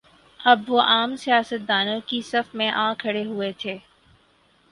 اب وہ عام سیاست دانوں کی صف میں آ کھڑے ہوئے تھے۔